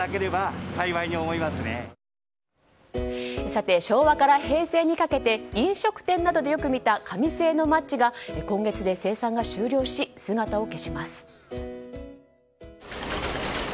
さて昭和から平成にかけて飲食店などでよく見た紙製のマッチが今月で生産が終了し姿を消します。